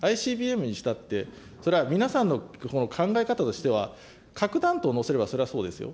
ＩＣＢＭにしたって、それは皆さんの考え方としては、核弾頭を載せればそれはそうですよ。